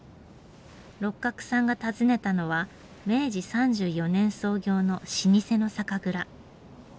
六角さんが訪ねたのは明治３４年創業の老舗の酒蔵。